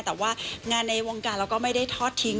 แต่ว่างานในวงการเราก็ไม่ได้ทอดทิ้ง